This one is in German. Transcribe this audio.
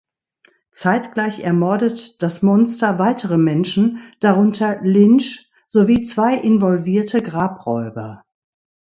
Zeitgleich ermordet das Monster weitere Menschen, darunter Lynch sowie zwei involvierte Grabräuber.